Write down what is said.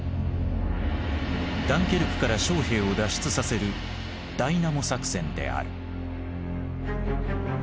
ダンケルクから将兵を脱出させるダイナモ作戦である。